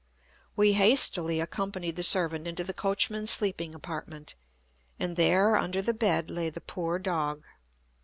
We hastily accompanied the servant into the coachman's sleeping apartment, and there, under the bed, lay the poor dog.